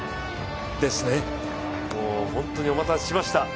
本当にお待たせしました。